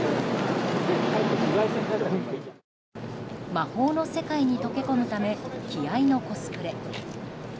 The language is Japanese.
魔法の世界に溶け込むため気合のコスプレ。